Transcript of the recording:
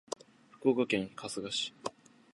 福岡県春日市